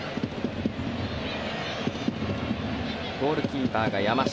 ゴールキーパーが山下。